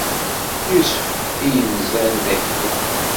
Yusef, i yenzan d akli.